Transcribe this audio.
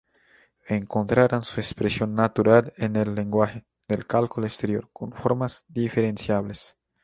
Encontrarán su expresión natural en el lenguaje del cálculo exterior con formas diferenciables.